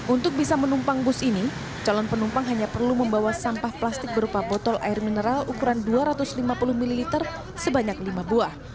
untuk bisa menumpang bus ini calon penumpang hanya perlu membawa sampah plastik berupa botol air mineral ukuran dua ratus lima puluh ml sebanyak lima buah